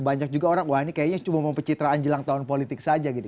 banyak juga orang wah ini kayaknya cuma mau pecitraan jelang tahun politik saja gitu